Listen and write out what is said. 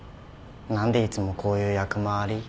何でいつもこういう役回り？